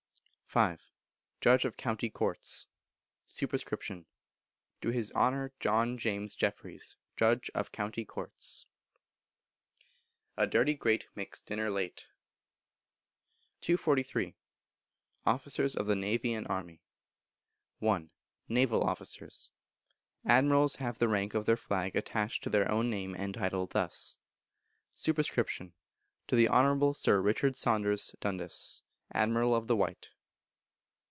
v. Judge of County Courts. Sup. To His Honour John James Jeffreys, Judge of County Courts. [A DIRTY GRATE MAKES DINNER LATE.] 243. Officers of the Navy and Army. i. Naval Officers. Admirals have the rank of their flag added to their own name and title thus: Sup. To the Honourable Sir Richard Saunders Dundas, Admiral of the White.